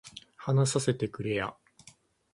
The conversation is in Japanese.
話させてくれや